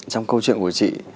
trong câu chuyện của chị